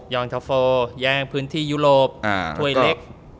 แย่งท็อป๔แย่งพื้นที่ยุโรปถัวยเล็ก